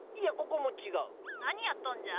何やっとんじゃ？